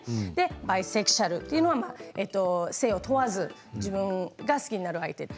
バイセクシュアルは性を問わず自分が好きになる相手。